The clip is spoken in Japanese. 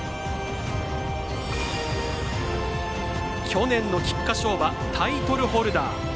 去年の菊花賞馬タイトルホルダー。